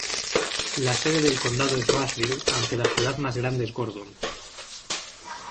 La sede del condado es Rushville aunque la ciudad más grande es Gordon.